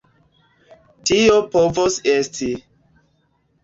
Tio povos esti.